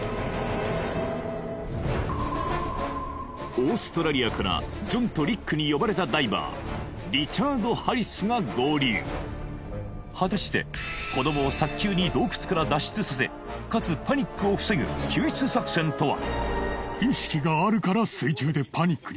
オーストラリアからジョンとリックに呼ばれたダイバーリチャード・ハリスが合流果たして子どもを早急に洞窟から脱出させかつパニックを防ぐ救出作戦とは？